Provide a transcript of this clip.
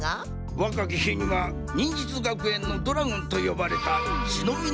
若き日には「忍術学園のドラゴン」と呼ばれた忍びの天才。